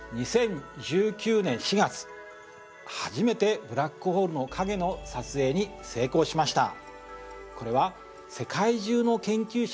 ２０１９年４月初めてブラックホールの影の撮影に成功しました。